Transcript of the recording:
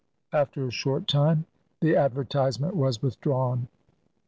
After a short time the advertisement was withdrawn.